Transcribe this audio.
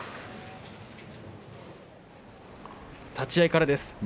立ち合いからです。